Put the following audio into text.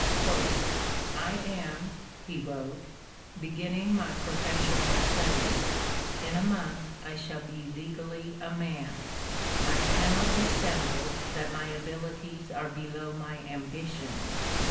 I am [he wrote] beginning my professional studies : in a month I shall be legally a man. I cannot dissemble that my abilities are below my ambition.